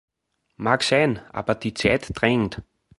Mag sein, aber die Zeit drängt.